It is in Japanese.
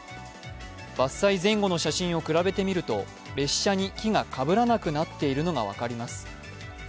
伐採前後の写真を比べてみると列車に木がかぶらなくなっているのが分かります。